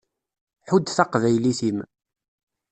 Ḥudd taqbaylit-im.